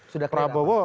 sudah clear apa